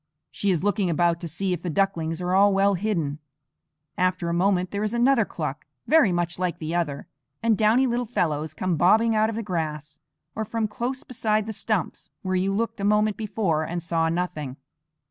She is looking about to see if the ducklings are all well hidden. After a moment there is another cluck, very much like the other, and downy little fellows come bobbing out of the grass, or from close beside the stumps where you looked a moment before and saw nothing.